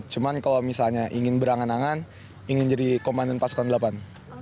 cuma kalau misalnya ingin berangan angan ingin jadi komandan pasukan delapan